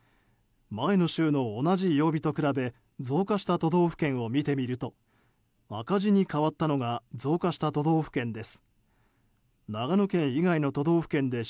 前の週の同じ曜日と比べ増加した都道府県を見てみると赤字に変わったのが増加した都道府県です。